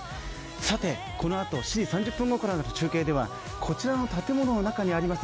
さて、このあと７時３０分ごろからの中継ではこちらの建物の中にあります